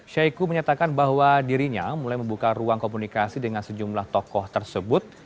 syahiku menyatakan bahwa dirinya mulai membuka ruang komunikasi dengan sejumlah tokoh tersebut